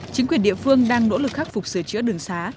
chính quyền địa phương đang nỗ lực khắc phục sửa chữa đường xá